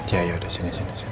ya yaudah sini sini sini